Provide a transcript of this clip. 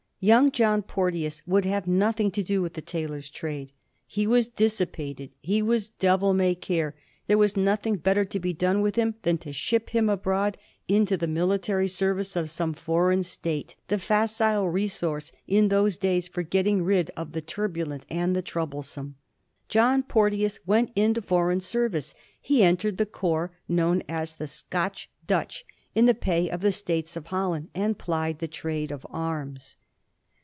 Young John Porteous would have nothing to do with the tailor's trade. He was dissipated, he was devil may care; there was nothing better to be done with him than to ship him abroad into the military service of some foreign State, the facile resource in those days for getting rid of the turbulent and the troublesome. John Porteous went into foreign service; he entered the corps known as the Scotch Dutch, in the pay of the States of Holland, and plied the trade of arms.